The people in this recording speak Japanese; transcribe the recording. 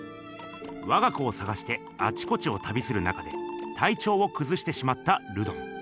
わが子を探してあちこちをたびする中でたいちょうをくずしてしまったルドン。